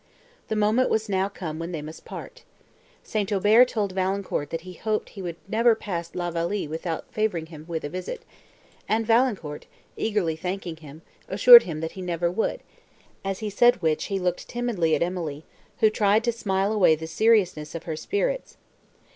The moment was now come when they must part. St. Aubert told Valancourt, that he hoped he would never pass La Vallée without favouring him with a visit; and Valancourt, eagerly thanking him, assured him that he never would; as he said which he looked timidly at Emily, who tried to smile away the seriousness of her spirits.